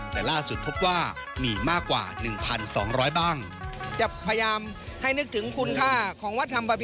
แต่ล่าสุดพบว่ามีมากกว่า๑๒๐๐บ้าง